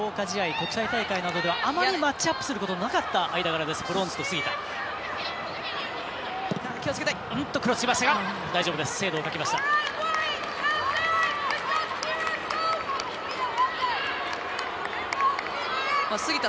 国際大会などでは、あまりマッチアップすることのなかった間柄です、ブロンズと杉田。